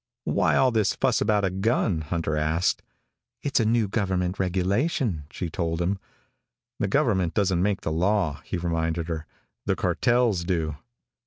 "Why all this fuss about a gun?" Hunter asked. "It's a new government regulation," she told him. "The government doesn't make the law," he reminded her. "The cartels do."